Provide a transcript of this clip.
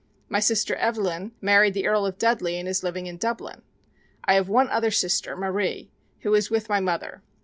My sister Evelyn married the Earl of Dudley and is living in Dublin. I have one other sister, Marie, who is with my mother.